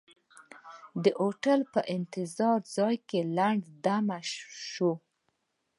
د هوټل په انتظار ځای کې لنډه دمې وشوه.